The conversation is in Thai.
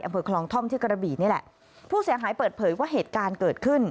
อำเภอคลองท่อมที่กระบีนี่แหละผู้เสียหายเปิดเผยว่าเหตุการณ์เกิดขึ้น